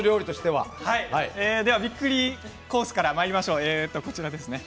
ではびっくりコースにまいりましょう。